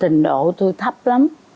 tình độ tôi thấp lắm